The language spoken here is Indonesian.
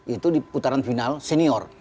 itu di putaran final senior